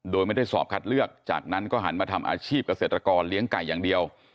โดยไม่ได้สอบคัดเลือกจากนั้นก็หันมาทำอาชีพเกษตรกรเลี้ยงไก่อย่างเดียว